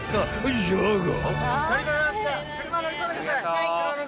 ［じゃが！］